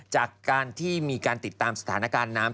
จากการที่มีการติดตามสถานการณ์น้ำ